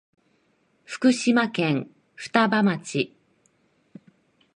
福島県双葉町